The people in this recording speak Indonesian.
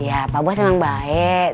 ya pak bos memang baik